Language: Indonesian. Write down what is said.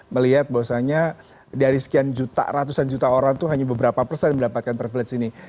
melihat bahwasannya dari sekian juta ratusan juta orang itu hanya beberapa persen mendapatkan privilege ini